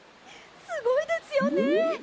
すごいですよね。